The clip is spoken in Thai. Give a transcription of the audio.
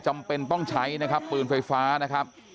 จำเป็นต้องใช้นะครับปืนไฟฟ้านะครับ